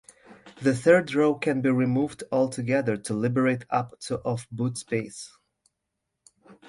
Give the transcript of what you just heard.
The third row can be removed altogether to liberate up to of boot space.